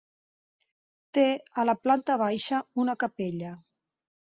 Té a la planta baixa una capella.